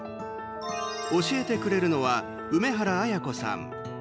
教えてくれるのは梅原亜也子さん。